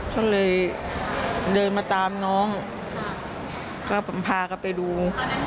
ฉะนั้นเลยเดินมาตามน้องก็พากับไปดู